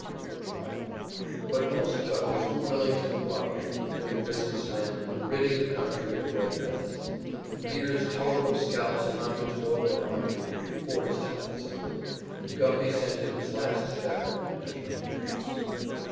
W. on trial. But most judges were willing to co operate with the big business men in ridding the country of the Red menace, and Peter's total of scalps amounted to over a hundred before his time was up, and Guffey sent him his last cheek and turned him loose.